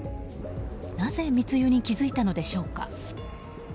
なぜ密輸に気付いたのでしょうか。